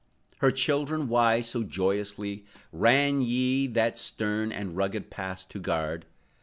Her children, why so joyously, Ran ye, that stern and rugged pass to guard?